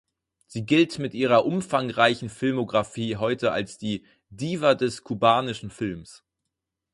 Sie gilt mit ihrer umfangreichen Filmografie heute als die „Diva des kubanischen Films“.